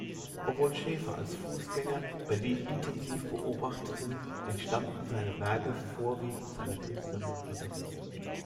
Obwohl Schaefer als Fußgänger Berlin intensiv beobachtete, entstammten seine Werke vorwiegend seiner künstlerischen Fantasie.